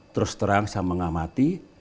terus terang saya mengamati